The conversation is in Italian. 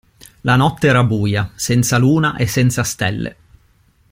La notte era buia, senza luna e senza stelle.